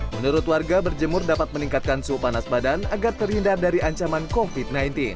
menurut warga berjemur dapat meningkatkan suhu panas badan agar terhindar dari ancaman covid sembilan belas